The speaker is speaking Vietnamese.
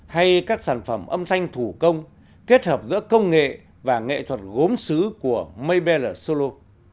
hay các sản phẩm âm thanh thủ công kết hợp giữa công nghệ và nghệ thuật gốm xứ của maybel solo